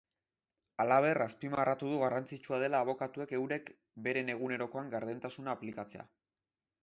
Halaber, azpimarratu du garrantzitsua dela abokatuek eurek beren egunerokoan gardentasuna aplikatzea.